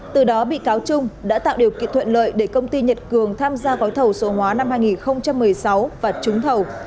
từ đó bị cáo trung đã tạo điều kiện thuận lợi để công ty nhật cường tham gia gói thầu số hóa năm hai nghìn một mươi sáu và trúng thầu